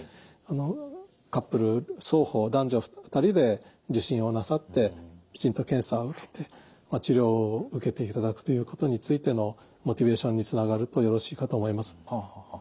カップル双方男女２人で受診をなさってきちんと検査を受けて治療を受けていただくということについてのモチベーションにつながるとよろしいかと思います。